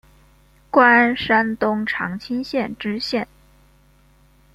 官山东长清县知县。